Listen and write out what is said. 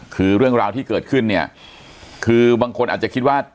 คือเรื่องราวที่เกิดขึ้นเนี่ยคือบางคนอาจจะคิดว่า